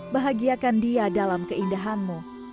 bahagiakan dia dalam keindahanmu